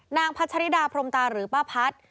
นางพัชฌฤดาพรมตาหรือป้าพัด